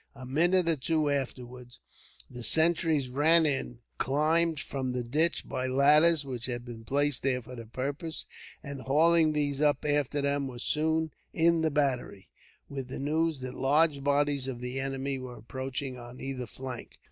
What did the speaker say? A minute or two afterwards the sentries ran in, climbed from the ditch by ladders which had been placed there for the purpose, and, hauling these up after them, were soon in the battery, with the news that large bodies of the enemy were approaching on either flank.